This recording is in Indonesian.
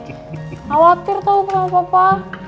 khawatir tau sama papa